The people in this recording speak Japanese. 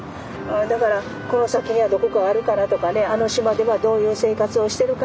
だからこの先にはどこかあるかなとかねあの島ではどういう生活をしてるかな。